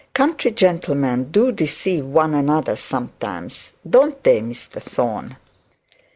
'Country gentlemen do deceive one another sometimes, don't they, Mr Thorne?'